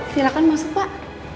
silakan masuk pak